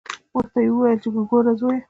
ورته ویې ویل چې ګوره زویه.